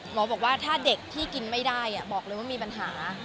บอกว่าถ้าเด็กที่กินไม่ได้บอกเลยว่ามีปัญหา